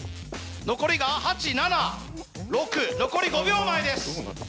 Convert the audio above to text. ・残りが８・７・６残り５秒前です。